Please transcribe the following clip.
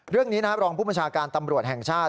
เรื่องนี้นะครับรองผู้บัญชาการตำรวจแห่งชาติ